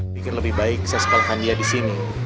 pikir lebih baik saya sekolahkan dia disini